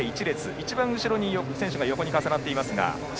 一番後ろ、選手が横に重なっていますが。